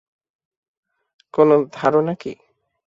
কোনো ধারণা কি।